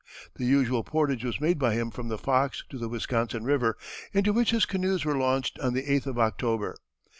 The usual portage was made by him from the Fox to the Wisconsin River, into which his canoes were launched on the 8th of October.